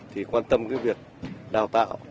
thì quan tâm cái việc đào tạo